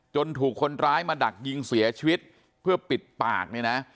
ถูกคนร้ายมาดักยิงเสียชีวิตเพื่อปิดปากเนี่ยนะ